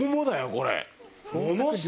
これ。